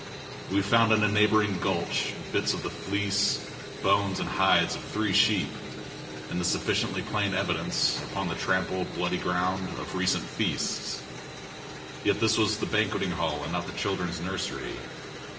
We found in a neighboring gulch bits of the fleece, bones and hides of three sheep, and the sufficiently plain evidence, upon the trampled and bloody ground, of recent feasts. Yet this was the banqueting hall and not the children's nursery.